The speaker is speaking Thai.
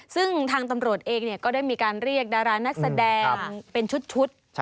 ซึ่งทางตำรวจเองก็ได้มีการเรียกดารานักแสดงเป็นชุด